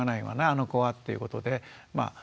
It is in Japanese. あの子はっていうことでまあ